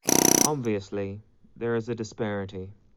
Obviously, there is a disparity.